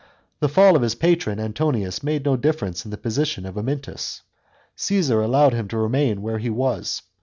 The fall of his patron Antonius made no difference in the position of Amyntas; Caesar allowed him to remain where he was.